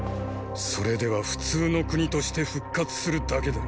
それでは普通の国として復活するだけだ。